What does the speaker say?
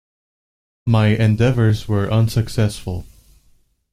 My endeavours were unsuccessful.